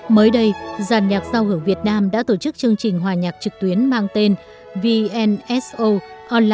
mới đây giàn nhạc giao hưởng việt nam đã tổ chức chương trình hòa nhạc trực tuyến mang tên vnso